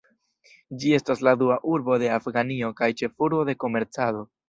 Ĝi estas la dua urbo de Afganio kaj ĉefurbo de komercado.